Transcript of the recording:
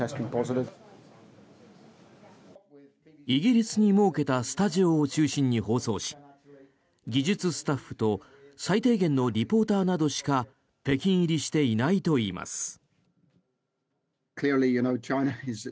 イギリスに設けたスタジオを中心に放送し技術スタッフと最低限のリポーターなどしか北京入りしていないといいます。